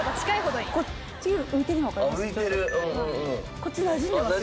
こっちなじんでますよね。